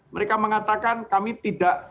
mereka mengatakan kami tidak